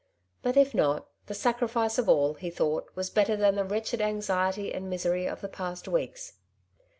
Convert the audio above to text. But if not, the sacrifice of all, he thought, was better than the wretched anxiety and misery of the past weeks.